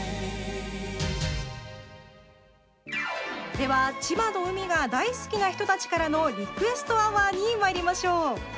では、千葉の海が大好きな人たちからのリクエストアワーにまいりましょう。